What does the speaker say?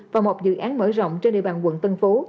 và một dự án mở rộng trên địa bàn quận tân phú